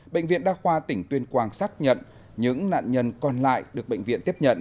bệnh viện đa khoa tỉnh tuyên quang xác nhận những nạn nhân còn lại được bệnh viện tiếp nhận